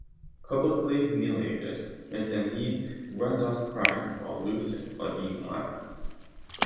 Publicly humiliated, Miss Aimee runs off crying while Luce and Claudine laugh.